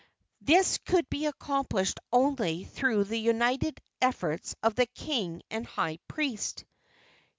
This could be accomplished only through the united efforts of the king and high priest.